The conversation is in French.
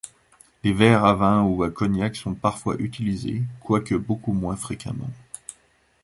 Les verres à vin ou à cognac sont parfois utilisés, quoique beaucoup moins fréquemment.